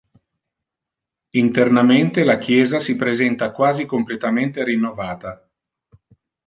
Internamente la chiesa si presenta quasi completamente rinnovata.